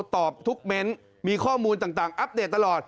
ตอบทุกเม้นต์มีข้อมูลต่างอัปเดตตลอด